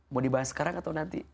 mau dibahas sekarang atau nanti